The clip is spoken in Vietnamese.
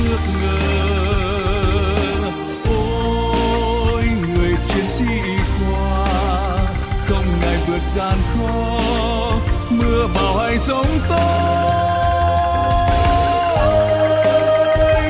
ôi người chiến sĩ y khoa không ngại vượt gian khó mưa bào hay gióng tối